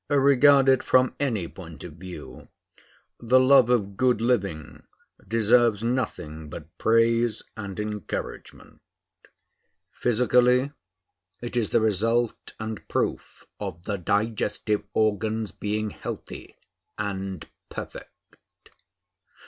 Regarded from any point of view, the love of good living deserves nothing but praise and encouragement. Physically, it is the result and proof of the digestive organs being healthy and perfect.